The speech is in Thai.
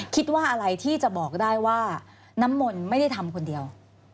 คิดว่าอะไรที่จะบอกได้ว่าน้ำมนต์ไม่ได้ทำคนเดียว